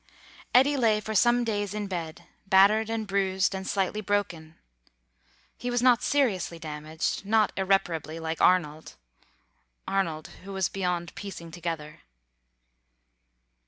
Eddy lay for some days in bed, battered and bruised, and slightly broken. He was not seriously damaged; not irreparably like Arnold; Arnold, who was beyond piecing together.